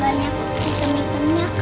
udah banyak kita mintanya kak